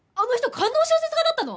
官能小説家だったの？